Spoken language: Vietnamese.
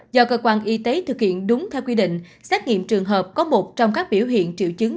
do cơ quan y tế thực hiện đúng theo quy định xét nghiệm trường hợp có một trong các biểu hiện triệu chứng